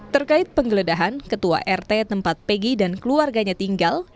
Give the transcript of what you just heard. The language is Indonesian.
terkait penggeledahan ketua rt tempat pegi dan keluarganya tinggal